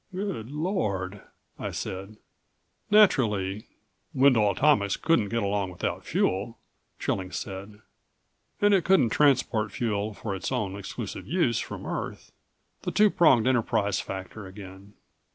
"Good Lord," I said. "Naturally Wendel Atomics couldn't get along without fuel," Trilling said. "And it couldn't transport fuel for its own exclusive use from Earth. The two pronged enterprise factor again.